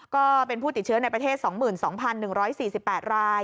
ก็เป็นผู้ติดเชื้อในประเทศ๒๒๑๔๘ราย